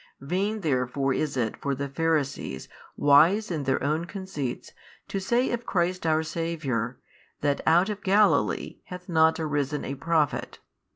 Vain therefore is it for the Pharisees wise in their own conceits to say of Christ our Saviour, that out of Galilee hath not arisen a Prophet.